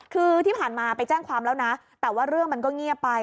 คือที่ผ่านมาไปแจ้งความแล้วนะแต่ว่าเรื่องมันก็เงียบไป